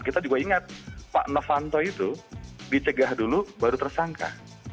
kita juga ingat pak novanto itu dicegah dulu baru tersangka